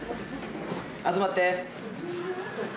集まって！